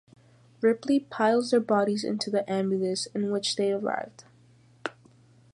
Ripley piles their bodies into the ambulance in which they arrived.